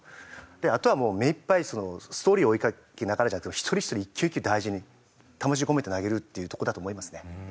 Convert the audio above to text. あとはもうめいっぱいストーリーを追いかけながらじゃなくて一人ひとり１球１球大事に魂込めて投げるっていうとこだと思いますね。